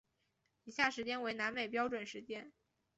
以下时间为南美标准时间。